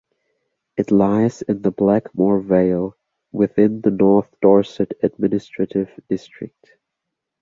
It lies in the Blackmore Vale within the North Dorset administrative district.